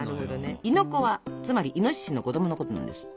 「亥の子」はつまりイノシシの子どものことなんですよ。